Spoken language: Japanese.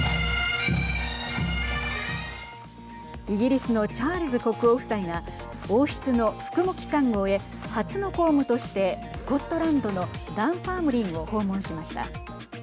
イギリスのチャールズ国王夫妻が王室の服喪期間を終え初の公務としてスコットランドのダンファームリンを訪問しました。